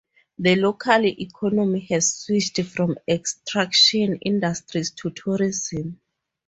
The local economy has switched from extraction industries to tourism.